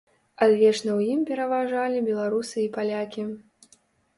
Адвечна ў ім пераважалі беларусы і палякі.